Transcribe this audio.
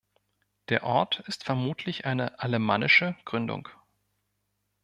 Der Ort ist vermutlich eine alemannische Gründung.